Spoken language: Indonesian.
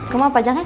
kamu apa jangan